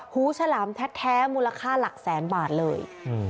ฉลามแท้มูลค่าหลักแสนบาทเลย